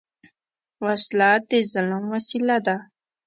وسله د ظلم وسیله ده